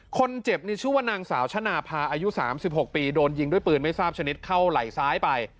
คนเจ็บนี่ชื่อว่านางสาวชนะพาอายุ๓๖ปีโดนยิงด้วยปืนไม่ทราบชนิดเข้าไหล่ซ้ายไป